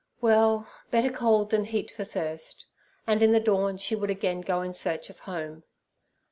Well, better cold than heat for thirst, and in the dawn she would again go in search of home.